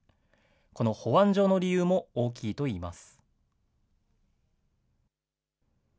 この保安上の理由も大きいといいます。